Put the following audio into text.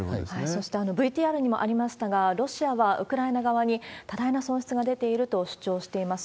そして、ＶＴＲにもありましたが、ロシアはウクライナ側に多大な損失が出ていると主張しています。